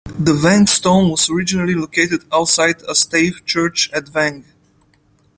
The Vang stone was originally located outside a stave church at Vang.